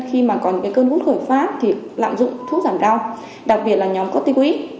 khi mà còn cái cơn gút khởi phát thì lạm dụng thuốc giảm đau đặc biệt là nhóm corticoid